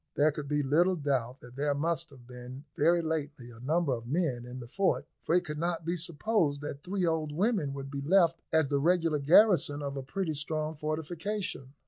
There could be little doubt that there must have been very lately a number of men in the fort, for it could not be supposed that three old women would be left as the regular garrison of a pretty strong fortification.